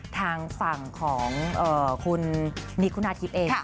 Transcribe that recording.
ทางฝั่งของคุณนิคุณาทิพย์เอง